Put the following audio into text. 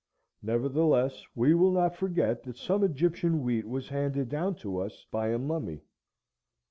Nevertheless, we will not forget that some Egyptian wheat was handed down to us by a mummy.